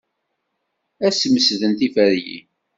Ad smesden tiferyin.